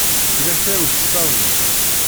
Yella kra ukessar-nni?